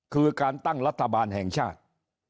คือการตั้งรัฐบาลแห่งชาติ